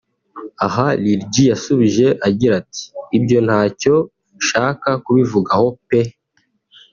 aha Lil G yasubije agira ati``Ibyo ntacyo nshaka kubivugaho peeee